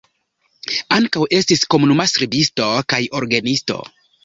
Ankaŭ estis komunuma skribisto kaj orgenisto.